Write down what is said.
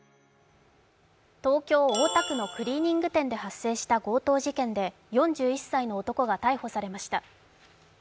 東京・大田区のクリーニング店で発生した強盗事件で４１歳の男が逮捕されました。